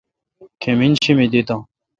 کمِن شی مے دہتہ؟